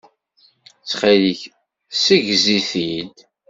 Ttxilek ssegzi-t-id.